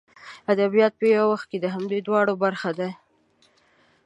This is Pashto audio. ادبیات په یو وخت کې د همدې دواړو برخو دي.